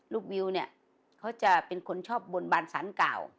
ลูกวิวเขาจะเป็นคนชอบบรรบาญศัลเก่า